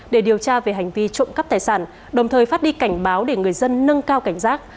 để điều tra về hành vi trộm cắp tài sản đồng thời phát đi cảnh báo để người dân nâng cao cảnh giác